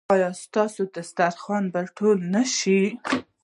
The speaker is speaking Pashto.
ایا ستاسو دسترخوان به ټول نه شي؟